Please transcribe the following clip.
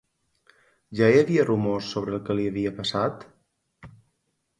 Ja hi havia rumors sobre el que li havia passat?